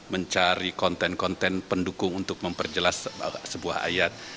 mencari konten konten pendukung untuk memperjelas sebuah ayat